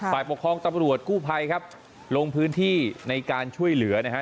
ฝ่ายปกครองตำรวจกู้ภัยครับลงพื้นที่ในการช่วยเหลือนะฮะ